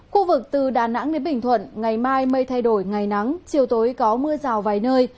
khu vực từ đà nẵng đến bình thuận ngày mai mây thay đổi ngày nắng chiều tối có mưa rào vài nơi